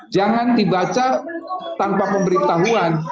jangan dibaca tanpa pemberitahuan